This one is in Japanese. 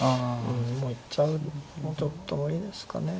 もう行っちゃうもうちょっと無理ですかね。